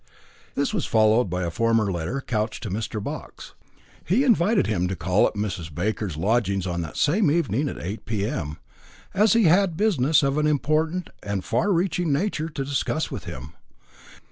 This was followed by a formal letter couched to Mr. Box. He invited him to call at Mrs. Baker's lodgings on that same evening at 8 p.m., as he had business of an important and far reaching nature to discuss with him.